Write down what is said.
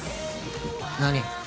何？